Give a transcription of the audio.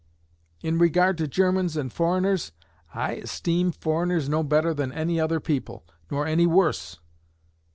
In regard to Germans and foreigners, I esteem foreigners no better than other people nor any worse.